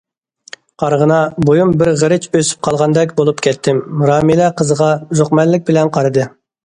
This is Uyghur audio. قارىغىنا، بويۇم بىر غېرىچ ئۆسۈپ قالغاندەك بولۇپ كەتتىم... رامىلە قىزىغا زوقمەنلىك بىلەن قارىدى.